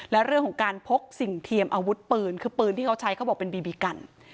และเรื่องของการพกสิ่งเทียมอาวุธปืนคือปืนที่เขาใช้เขาบอกเป็นบีบีกัน